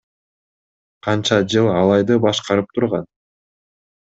Канча жыл Алайды башкарып турган.